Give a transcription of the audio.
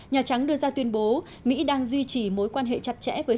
nhà trắng đưa ra tuyên bố mỹ đang duy trì mối quan hệ chặt chẽ với